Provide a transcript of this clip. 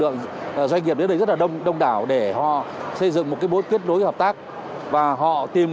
doanh nghiệp đến đây rất là đông đông đảo để họ xây dựng một cái bối kết đối hợp tác và họ tìm